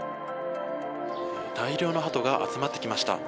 大量のハトが集まってきました。